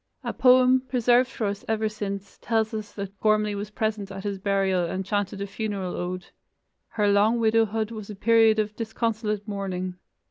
A poem, preserved for us ever since, tells us that Gormlai was present at his burial and chanted a funeral ode. Her long widowhood was a period of disconsolate mourning.